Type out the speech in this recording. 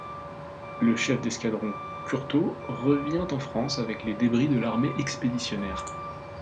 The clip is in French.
Le chef d'escadron Curto revient en France avec les débris de l'armée expéditionnaire.